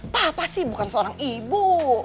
papa sih bukan seorang ibu